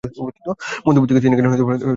মধুপুর থেকে তিনি গেলেন দিনুদের আদি বাড়িতে।